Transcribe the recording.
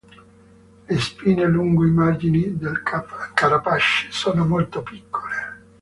Le spine lungo i margini del carapace sono molto piccole.